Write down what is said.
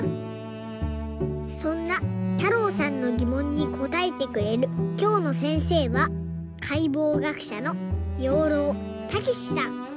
そんなたろうさんのぎもんにこたえてくれるきょうのせんせいはかいぼう学者の養老孟司さん。